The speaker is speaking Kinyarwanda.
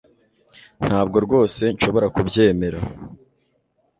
Ntabwo rwose nshobora kubyemera